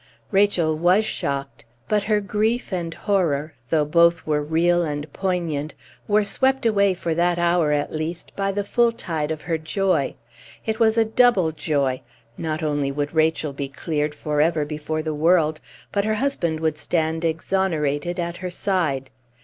Rachel was shocked. But her grief and horror, though both were real and poignant, were swept away for that hour at least by the full tide of her joy. It was a double joy. Not only would Rachel be cleared for ever before the world, but her husband would stand exonerated at her side.